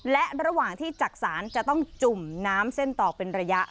และระหว่างที่จักษานจะต้องจุ่มน้ำเส้นตอกเป็นระยะ